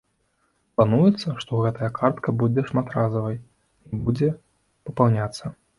Плануецца, што гэтая картка будзе шматразовай, і будзе папаўняцца.